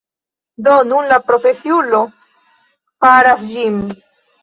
Do, nun la profesiulo faras ĝin